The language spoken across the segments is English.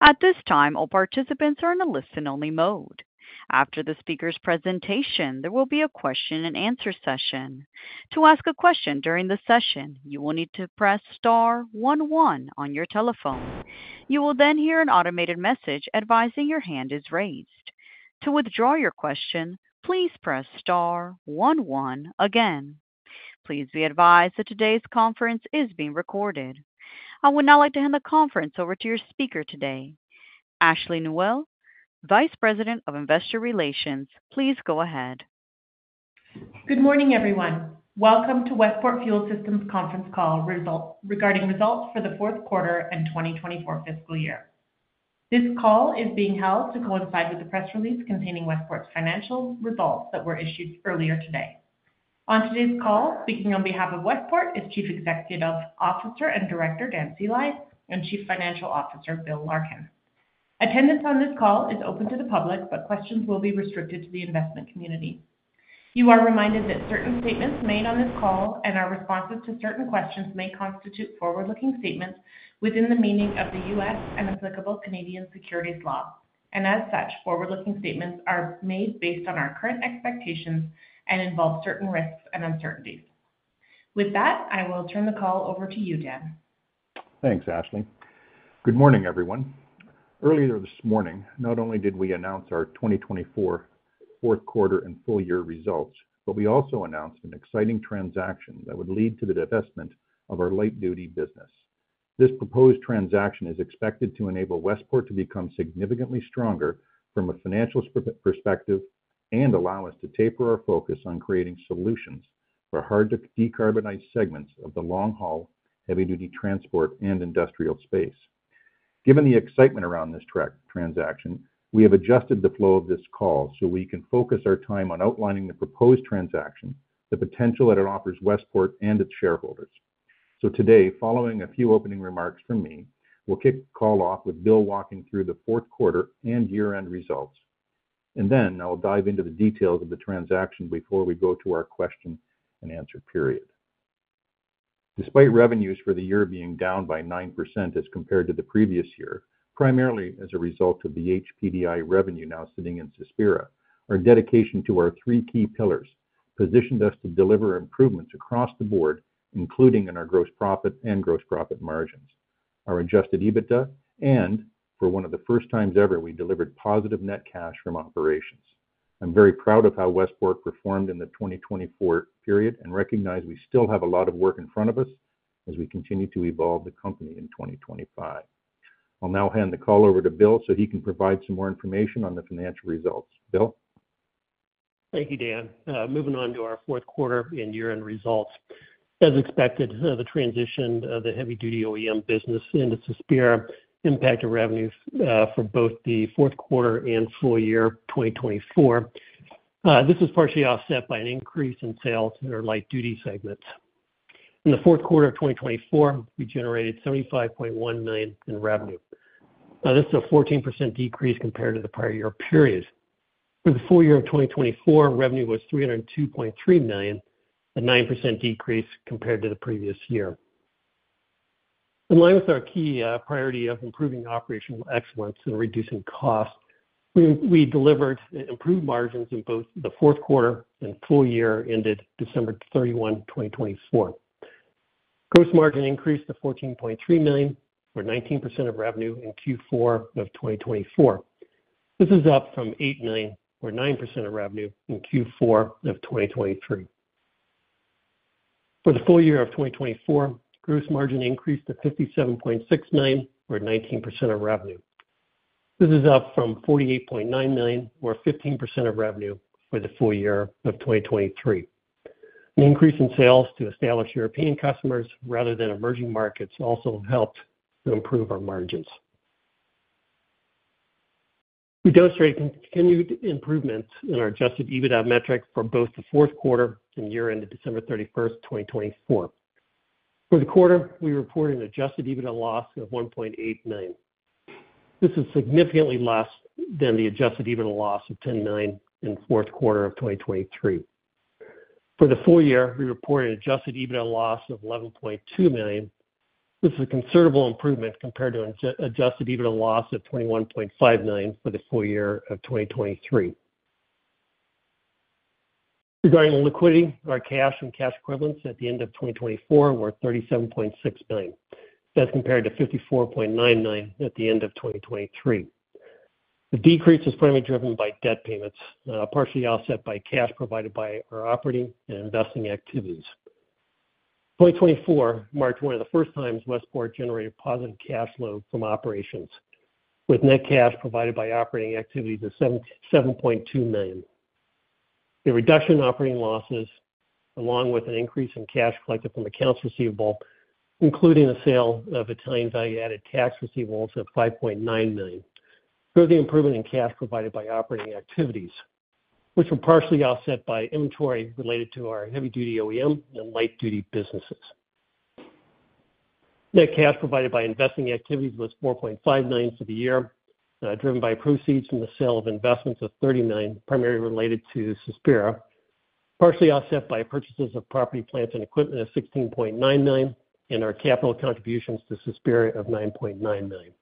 At this time, all participants are in a listen-only mode. After the speaker's presentation, there will be a question-and-answer session. To ask a question during the session, you will need to press star one one on your telephone. You will then hear an automated message advising your hand is raised. To withdraw your question, please press star one one again. Please be advised that today's conference is being recorded. I would now like to hand the conference over to your speaker today, Ashley Nuell, Vice President of Investor Relations. Please go ahead. Good morning, everyone. Welcome to Westport Fuel Systems' conference call regarding results for the fourth quarter and 2024 fiscal year. This call is being held to coincide with the press release containing Westport's financial results that were issued earlier today. On today's call, speaking on behalf of Westport is Chief Executive Officer and Director Dan Sceli and Chief Financial Officer Bill Larkin. Attendance on this call is open to the public, but questions will be restricted to the investment community. You are reminded that certain statements made on this call and our responses to certain questions may constitute forward-looking statements within the meaning of the U.S. and applicable Canadian securities law. As such, forward-looking statements are made based on our current expectations and involve certain risks and uncertainties. With that, I will turn the call over to you, Dan. Thanks, Ashley. Good morning, everyone. Earlier this morning, not only did we announce our 2024 fourth quarter and full-year results, but we also announced an exciting transaction that would lead to the divestment of our light-duty business. This proposed transaction is expected to enable Westport to become significantly stronger from a financial perspective and allow us to taper our focus on creating solutions for hard-to-decarbonize segments of the long-haul heavy-duty transport and industrial space. Given the excitement around this transaction, we have adjusted the flow of this call so we can focus our time on outlining the proposed transaction, the potential that it offers Westport and its shareholders. Today, following a few opening remarks from me, we'll kick the call off with Bill walking through the fourth quarter and year-end results. Then I'll dive into the details of the transaction before we go to our question-and-answer period. Despite revenues for the year being down by 9% as compared to the previous year, primarily as a result of the HPDI revenue now sitting in Cespira, our dedication to our three key pillars positioned us to deliver improvements across the board, including in our gross profit and gross profit margins, our adjusted EBITDA, and for one of the first times ever, we delivered positive net cash from operations. I'm very proud of how Westport performed in the 2024 period and recognize we still have a lot of work in front of us as we continue to evolve the company in 2025. I'll now hand the call over to Bill so he can provide some more information on the financial results. Bill. Thank you, Dan. Moving on to our fourth quarter and year-end results. As expected, the transition of the heavy-duty OEM business into Cespira impacted revenues for both the fourth quarter and full-year 2024. This was partially offset by an increase in sales in our light-duty segments. In the fourth quarter of 2024, we generated $75.1 million in revenue. This is a 14% decrease compared to the prior year period. For the full-year of 2024, revenue was $302.3 million, a 9% decrease compared to the previous year. In line with our key priority of improving operational excellence and reducing costs, we delivered improved margins in both the fourth quarter and full-year ended December 31, 2024. Gross margin increased to $14.3 million or 19% of revenue in Q4 of 2024. This is up from $8 million or 9% of revenue in Q4 of 2023. For the full-year of 2024, gross margin increased to $57.6 million or 19% of revenue. This is up from $48.9 million or 15% of revenue for the full-year of 2023. An increase in sales to established European customers rather than emerging markets also helped to improve our margins. We demonstrate continued improvements in our adjusted EBITDA metric for both the fourth quarter and year-end of December 31, 2024. For the quarter, we report an adjusted EBITDA loss of $1.8 million. This is significantly less than the adjusted EBITDA loss of $10 million in the fourth quarter of 2023. For the full-year, we report an adjusted EBITDA loss of $11.2 million. This is a considerable improvement compared to an adjusted EBITDA loss of $21.5 million for the full-year of 2023. Regarding liquidity, our cash and cash equivalents at the end of 2024 were $37.6 million, as compared to $54.9 million at the end of 2023. The decrease is primarily driven by debt payments, partially offset by cash provided by our operating and investing activities. 2024 marked one of the first times Westport generated positive cash flow from operations, with net cash provided by operating activities of $7.2 million. The reduction in operating losses, along with an increase in cash collected from accounts receivable, including the sale of Italian value-added tax receivables of $5.9 million, drove the improvement in cash provided by operating activities, which were partially offset by inventory related to our heavy-duty OEM and light-duty businesses. Net cash provided by investing activities was $4.5 million for the year, driven by proceeds from the sale of investments of $30 million, primarily related to Cespira, partially offset by purchases of property, plants, and equipment of $16.9 million, and our capital contributions to Cespira of $9.9 million.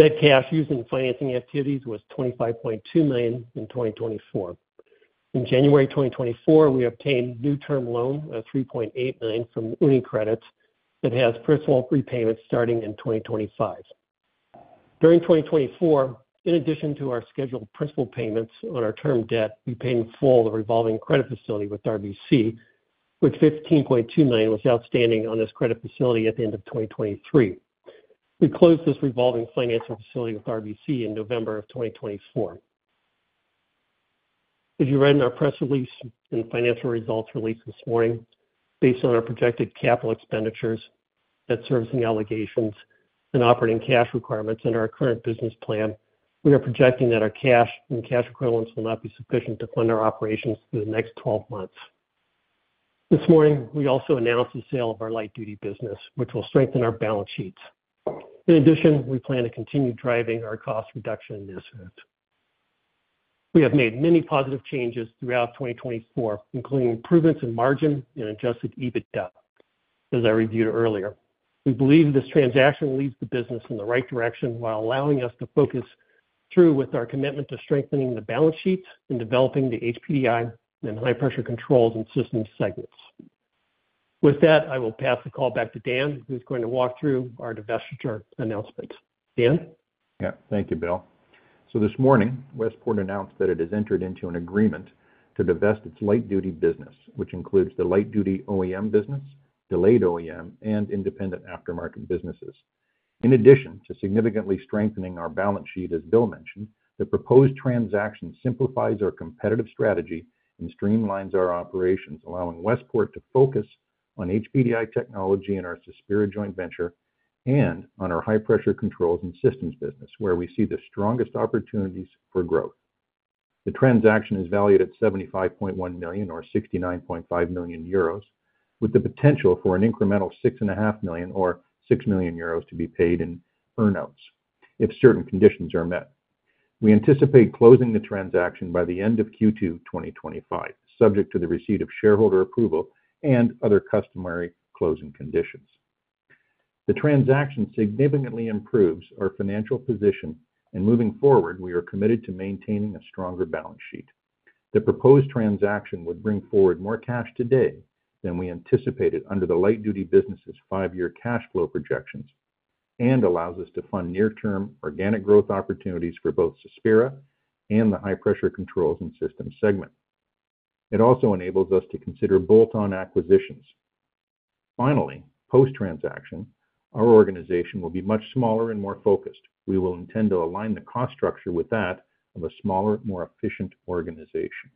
Net cash used in financing activities was $25.2 million in 2024. In January 2024, we obtained a new term loan of 3.8 million from UniCredit that has principal repayments starting in 2025. During 2024, in addition to our scheduled principal payments on our term debt, we paid in full the revolving credit facility with RBC, with $15.2 million outstanding on this credit facility at the end of 2023. We closed this revolving financial facility with RBC in November of 2024. As you read in our press release and financial results released this morning, based on our projected capital expenditures, debt servicing obligations, and operating cash requirements under our current business plan, we are projecting that our cash and cash equivalents will not be sufficient to fund our operations through the next 12 months. This morning, we also announced the sale of our light-duty business, which will strengthen our balance sheet. In addition, we plan to continue driving our cost reduction initiatives. We have made many positive changes throughout 2024, including improvements in margin and adjusted EBITDA, as I reviewed earlier. We believe this transaction leads the business in the right direction while allowing us to focus through with our commitment to strengthening the balance sheet and developing the HPDI and high-pressure controls and systems segments. With that, I will pass the call back to Dan, who's going to walk through our divestiture announcement. Dan? Yeah, thank you, Bill. This morning, Westport announced that it has entered into an agreement to divest its light-duty business, which includes the light-duty OEM business, delayed OEM, and independent aftermarket businesses. In addition to significantly strengthening our balance sheet, as Bill mentioned, the proposed transaction simplifies our competitive strategy and streamlines our operations, allowing Westport to focus on HPDI technology in our Cespira joint venture and on our high-pressure controls and systems business, where we see the strongest opportunities for growth. The transaction is valued at $75.1 million or 69.5 million euros, with the potential for an incremental $6.5 million or 6 million euros to be paid in earnouts if certain conditions are met. We anticipate closing the transaction by the end of Q2 2025, subject to the receipt of shareholder approval and other customary closing conditions. The transaction significantly improves our financial position, and moving forward, we are committed to maintaining a stronger balance sheet. The proposed transaction would bring forward more cash today than we anticipated under the light-duty business's five-year cash flow projections and allows us to fund near-term organic growth opportunities for both Cespira and the high-pressure controls and systems segment. It also enables us to consider bolt-on acquisitions. Finally, post-transaction, our organization will be much smaller and more focused. We will intend to align the cost structure with that of a smaller, more efficient organization.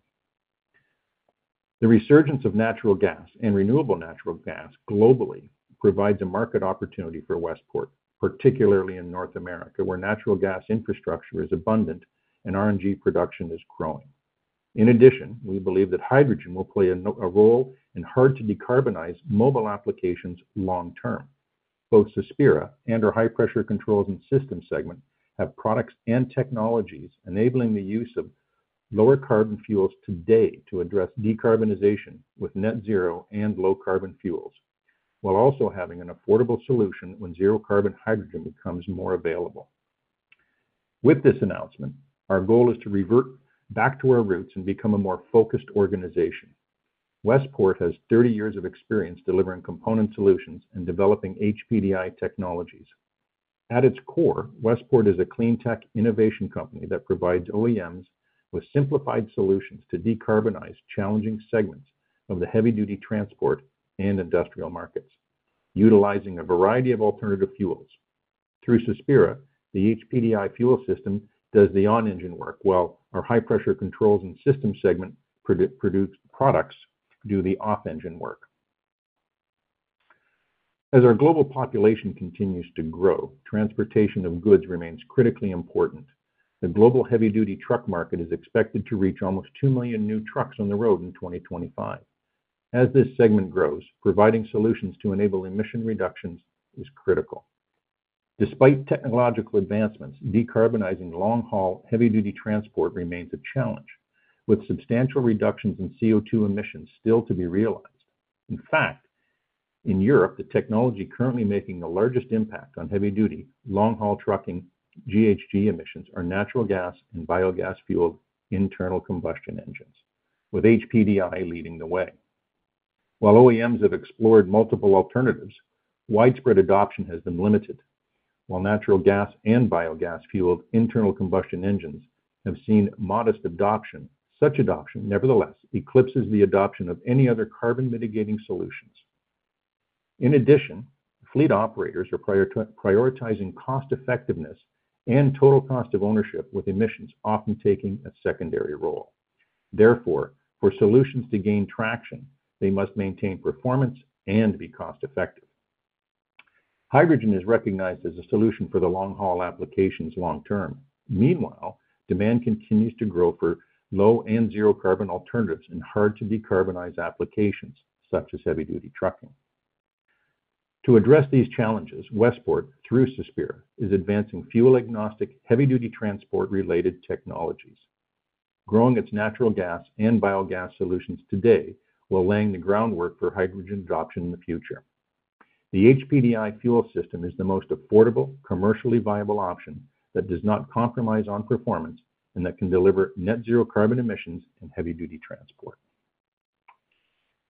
The resurgence of natural gas and renewable natural gas globally provides a market opportunity for Westport, particularly in North America, where natural gas infrastructure is abundant and RNG production is growing. In addition, we believe that hydrogen will play a role in hard-to-decarbonize mobile applications long-term. Both Cespira and our high-pressure controls and systems segment have products and technologies enabling the use of lower-carbon fuels today to address decarbonization with net-zero and low-carbon fuels, while also having an affordable solution when zero-carbon hydrogen becomes more available. With this announcement, our goal is to revert back to our roots and become a more focused organization. Westport has 30 years of experience delivering component solutions and developing HPDI technologies. At its core, Westport is a clean tech innovation company that provides OEMs with simplified solutions to decarbonize challenging segments of the heavy-duty transport and industrial markets, utilizing a variety of alternative fuels. Through Cespira, the HPDI fuel system does the on-engine work, while our high-pressure controls and systems segment produce products to do the off-engine work. As our global population continues to grow, transportation of goods remains critically important. The global heavy-duty truck market is expected to reach almost 2 million new trucks on the road in 2025. As this segment grows, providing solutions to enable emission reductions is critical. Despite technological advancements, decarbonizing long-haul heavy-duty transport remains a challenge, with substantial reductions in CO2 emissions still to be realized. In fact, in Europe, the technology currently making the largest impact on heavy-duty long-haul trucking GHG emissions are natural gas and biogas-fueled internal combustion engines, with HPDI leading the way. While OEMs have explored multiple alternatives, widespread adoption has been limited. While natural gas and biogas-fueled internal combustion engines have seen modest adoption, such adoption nevertheless eclipses the adoption of any other carbon-mitigating solutions. In addition, fleet operators are prioritizing cost-effectiveness and total cost of ownership, with emissions often taking a secondary role. Therefore, for solutions to gain traction, they must maintain performance and be cost-effective. Hydrogen is recognized as a solution for the long-haul applications long-term. Meanwhile, demand continues to grow for low and zero-carbon alternatives in hard-to-decarbonize applications, such as heavy-duty trucking. To address these challenges, Westport, through Cespira, is advancing fuel-agnostic heavy-duty transport-related technologies, growing its natural gas and biogas solutions today while laying the groundwork for hydrogen adoption in the future. The HPDI fuel system is the most affordable, commercially viable option that does not compromise on performance and that can deliver net-zero carbon emissions in heavy-duty transport.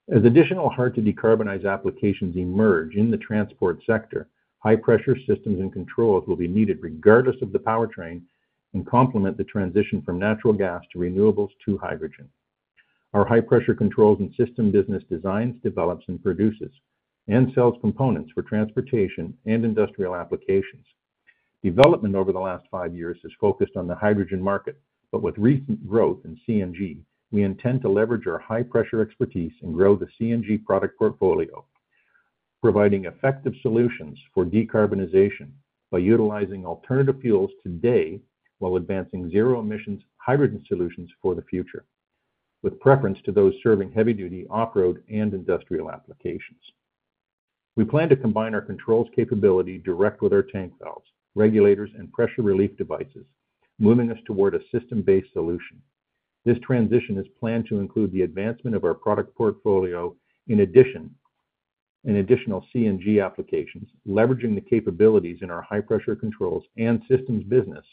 As additional hard-to-decarbonize applications emerge in the transport sector, high-pressure systems and controls will be needed regardless of the powertrain and complement the transition from natural gas to renewables to hydrogen. Our high-pressure controls and systems business designs, develops, and produces, and sells components for transportation and industrial applications. Development over the last five years has focused on the hydrogen market, but with recent growth in CNG, we intend to leverage our high-pressure expertise and grow the CNG product portfolio, providing effective solutions for decarbonization by utilizing alternative fuels today while advancing zero-emissions hybrid solutions for the future, with preference to those serving heavy-duty off-road and industrial applications. We plan to combine our controls capability direct with our tank valves, regulators, and pressure relief devices, moving us toward a system-based solution. This transition is planned to include the advancement of our product portfolio in addition to additional CNG applications, leveraging the capabilities in our high-pressure controls and systems business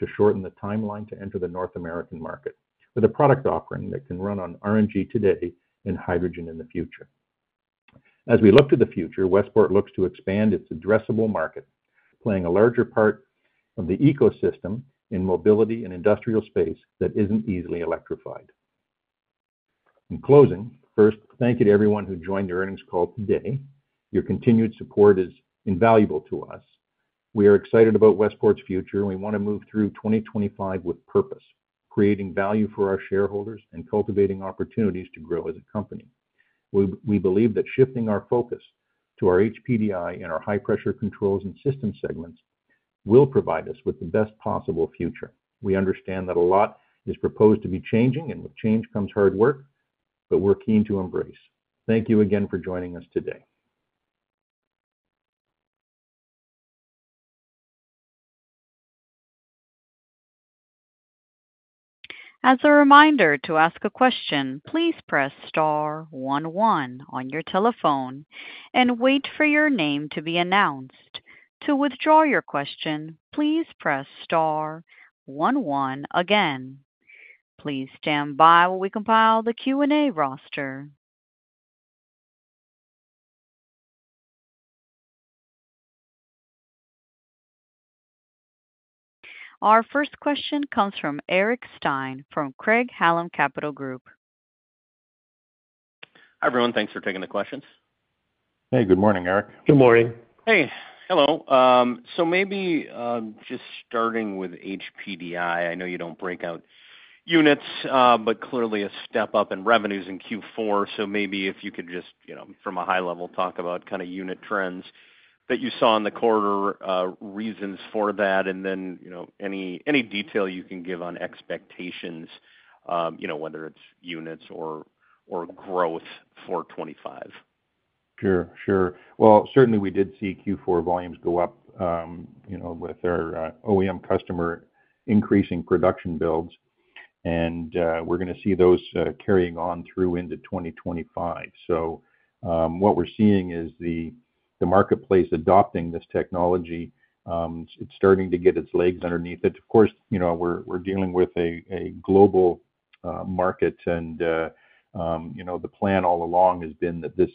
to shorten the timeline to enter the North American market with a product offering that can run on RNG today and hydrogen in the future. As we look to the future, Westport looks to expand its addressable market, playing a larger part of the ecosystem in mobility and industrial space that is not easily electrified. In closing, first, thank you to everyone who joined the earnings call today. Your continued support is invaluable to us. We are excited about Westport's future, and we want to move through 2025 with purpose, creating value for our shareholders and cultivating opportunities to grow as a company. We believe that shifting our focus to our HPDI and our high-pressure controls and systems segments will provide us with the best possible future. We understand that a lot is proposed to be changing, and with change comes hard work, but we are keen to embrace. Thank you again for joining us today. As a reminder to ask a question, please press star one one on your telephone and wait for your name to be announced. To withdraw your question, please press star one one again. Please stand by while we compile the Q&A roster. Our first question comes from Eric Stine from Craig-Hallum Capital Group. Hi everyone, thanks for taking the questions. Hey, good morning, Eric. Good morning. Hey, hello. Maybe just starting with HPDI, I know you don't break out units, but clearly a step up in revenues in Q4. Maybe if you could just, from a high level, talk about kind of unit trends that you saw in the quarter, reasons for that, and then any detail you can give on expectations, whether it's units or growth for 2025. Sure, sure. Certainly we did see Q4 volumes go up with our OEM customer increasing production builds, and we're going to see those carrying on through into 2025. What we're seeing is the marketplace adopting this technology. It's starting to get its legs underneath it. Of course, we're dealing with a global market, and the plan all along has been that this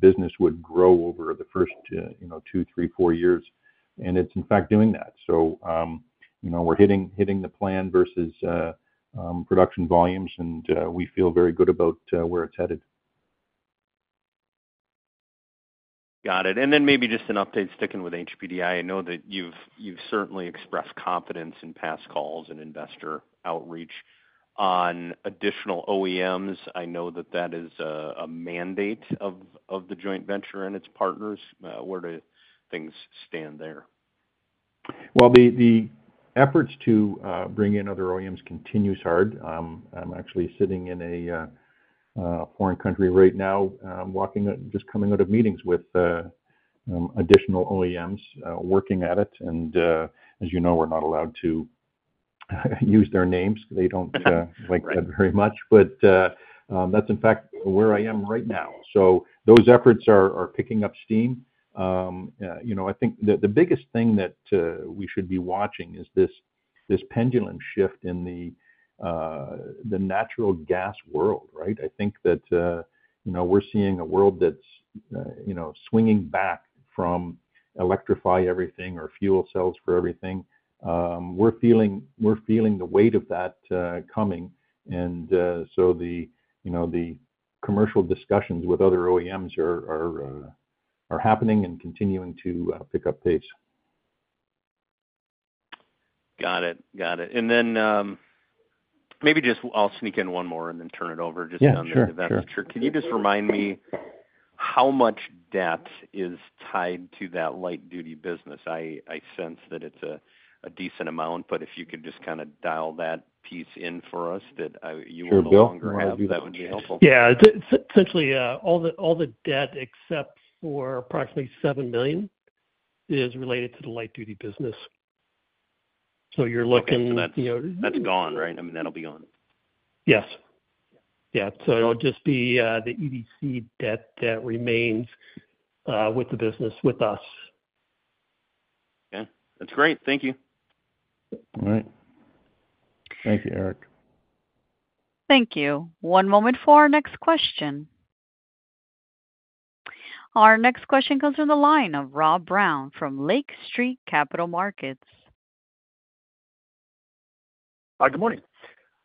business would grow over the first two, three, four years, and it's in fact doing that. We're hitting the plan versus production volumes, and we feel very good about where it's headed. Got it. Maybe just an update sticking with HPDI. I know that you've certainly expressed confidence in past calls and investor outreach on additional OEMs. I know that that is a mandate of the joint venture and its partners. Where do things stand there? The efforts to bring in other OEMs continue hard. I'm actually sitting in a foreign country right now, just coming out of meetings with additional OEMs working at it. As you know, we're not allowed to use their names. They don't like that very much. That is in fact where I am right now. Those efforts are picking up steam. I think the biggest thing that we should be watching is this pendulum shift in the natural gas world, right? I think that we're seeing a world that's swinging back from electrify everything or fuel cells for everything. We're feeling the weight of that coming. The commercial discussions with other OEMs are happening and continuing to pick up pace. Got it, got it. Maybe just I'll sneak in one more and then turn it over just on the event. Can you just remind me how much debt is tied to that light-duty business? I sense that it's a decent amount, but if you could just kind of dial that piece in for us that you will no longer have, that would be helpful. Yeah. Essentially, all the debt except for approximately $7 million is related to the light-duty business. So you're looking. That's gone, right? I mean, that'll be gone. Yes. Yeah. It will just be the EDC debt that remains with the business with us. Okay. That's great. Thank you. All right. Thank you, Eric. Thank you. One moment for our next question. Our next question comes from the line of Rob Brown from Lake Street Capital Markets. Hi, good morning.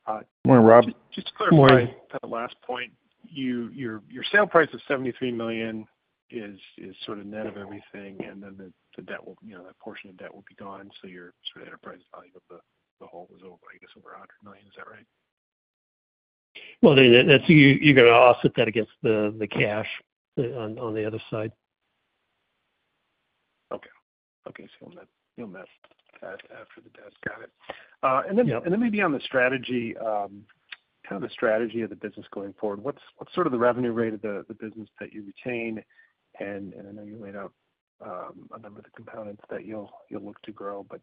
Good morning, Rob. Just to clarify to the last point, your sale price of $73 million is sort of net of everything, and then the debt will, that portion of debt will be gone. Your sort of enterprise value of the whole was over, I guess, over $100 million. Is that right? You're going to offset that against the cash on the other side. Okay. Okay. So you'll net after the debt. Got it. Maybe on the strategy, kind of the strategy of the business going forward, what's sort of the revenue rate of the business that you retain? I know you laid out a number of the components that you'll look to grow, but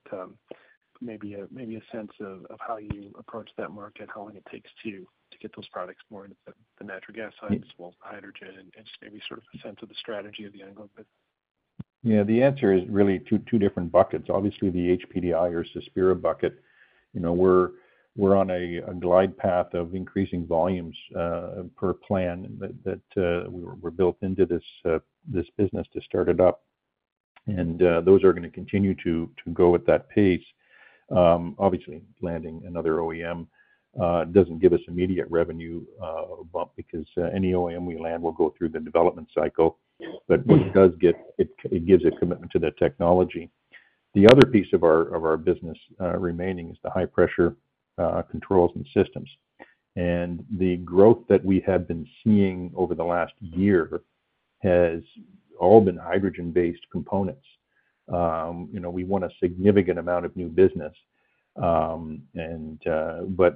maybe a sense of how you approach that market, how long it takes to get those products more into the natural gas side, as well as the hydrogen, and just maybe sort of a sense of the strategy of the angle a bit. Yeah. The answer is really two different buckets. Obviously, the HPDI or Cespira bucket, we're on a glide path of increasing volumes per plan that were built into this business to start it up. Those are going to continue to go at that pace. Landing another OEM does not give us an immediate revenue bump because any OEM we land will go through the development cycle. What it does get, it gives a commitment to that technology. The other piece of our business remaining is the high-pressure controls and systems. The growth that we have been seeing over the last year has all been hydrogen-based components. We won a significant amount of new business, but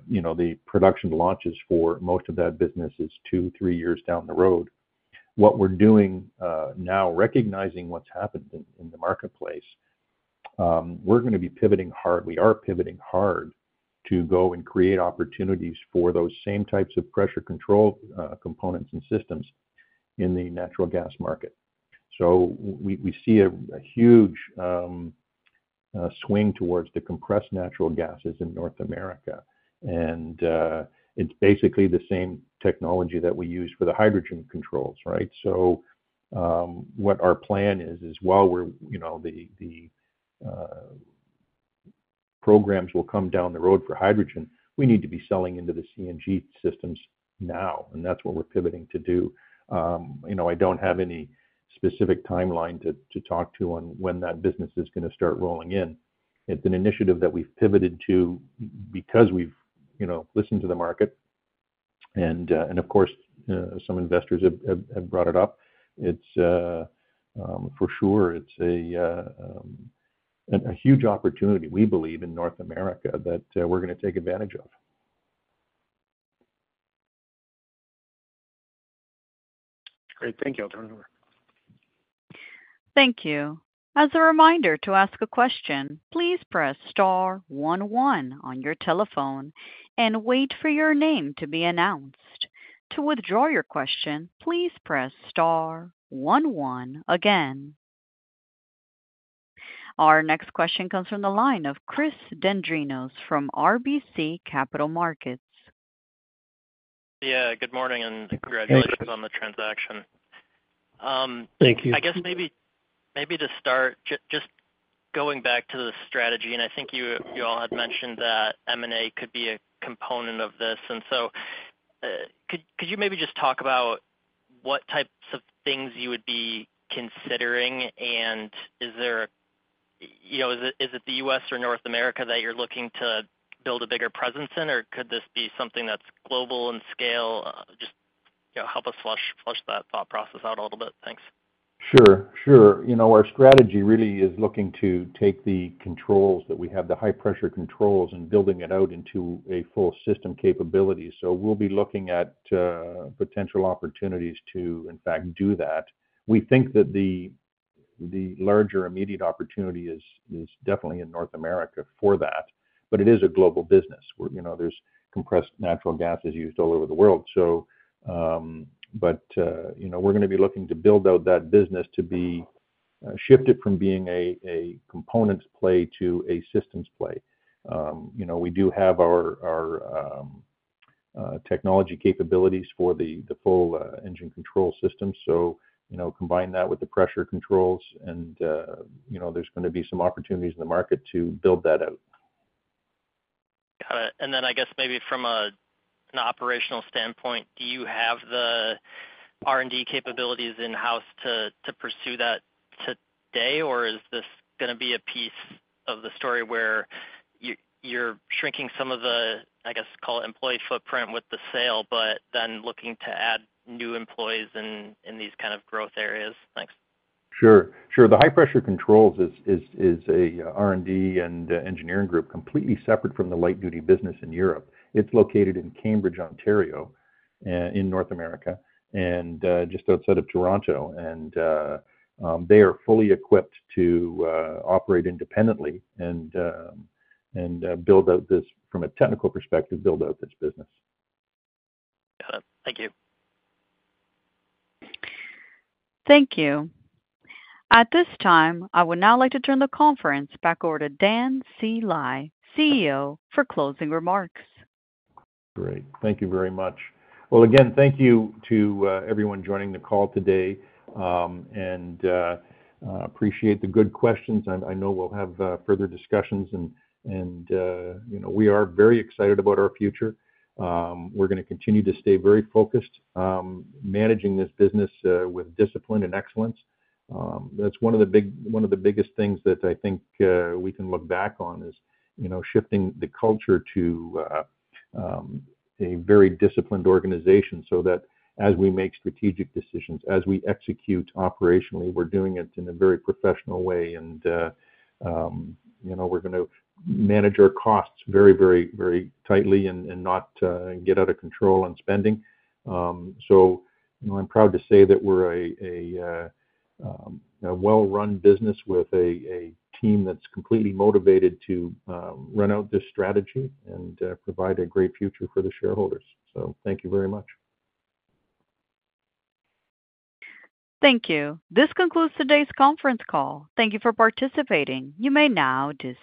the production launches for most of that business are two-three years down the road. What we're doing now, recognizing what's happened in the marketplace, we're going to be pivoting hard. We are pivoting hard to go and create opportunities for those same types of pressure control components and systems in the natural gas market. We see a huge swing towards the compressed natural gases in North America. It is basically the same technology that we use for the hydrogen controls, right? What our plan is, is while the programs will come down the road for hydrogen, we need to be selling into the CNG systems now. That is what we are pivoting to do. I do not have any specific timeline to talk to on when that business is going to start rolling in. It is an initiative that we have pivoted to because we have listened to the market. Of course, some investors have brought it up. For sure, it is a huge opportunity, we believe, in North America that we are going to take advantage of. Great. Thank you. I'll turn it over. Thank you. As a reminder to ask a question, please press star one one on your telephone and wait for your name to be announced. To withdraw your question, please press star one one again. Our next question comes from the line of Chris Dendrinos from RBC Capital Markets. Yeah. Good morning and congratulations on the transaction. Thank you. I guess maybe to start, just going back to the strategy, and I think you all had mentioned that M&A could be a component of this. Could you maybe just talk about what types of things you would be considering? Is it the U.S. or North America that you're looking to build a bigger presence in? Could this be something that's global in scale? Just help us flush that thought process out a little bit. Thanks. Sure, sure. Our strategy really is looking to take the controls that we have, the high-pressure controls, and building it out into a full system capability. We will be looking at potential opportunities to, in fact, do that. We think that the larger immediate opportunity is definitely in North America for that, but it is a global business. There is compressed natural gas used all over the world. We are going to be looking to build out that business to be shifted from being a components play to a systems play. We do have our technology capabilities for the full engine control system. Combine that with the pressure controls, and there are going to be some opportunities in the market to build that out. Got it. I guess maybe from an operational standpoint, do you have the R&D capabilities in-house to pursue that today? Or is this going to be a piece of the story where you're shrinking some of the, I guess, call it employee footprint with the sale, but then looking to add new employees in these kind of growth areas? Thanks. Sure, sure. The high-pressure controls is an R&D and engineering group completely separate from the light-duty business in Europe. It is located in Cambridge, Ontario, in North America, and just outside of Toronto. They are fully equipped to operate independently and build out this, from a technical perspective, build out this business. Got it. Thank you. Thank you. At this time, I would now like to turn the conference back over to Dan Sceli, CEO, for closing remarks. Great. Thank you very much. Thank you to everyone joining the call today. I appreciate the good questions. I know we'll have further discussions. We are very excited about our future. We're going to continue to stay very focused on managing this business with discipline and excellence. That's one of the biggest things that I think we can look back on is shifting the culture to a very disciplined organization so that as we make strategic decisions, as we execute operationally, we're doing it in a very professional way. We're going to manage our costs very, very, very tightly and not get out of control on spending. I'm proud to say that we're a well-run business with a team that's completely motivated to run out this strategy and provide a great future for the shareholders. Thank you very much. Thank you. This concludes today's conference call. Thank you for participating. You may now disconnect.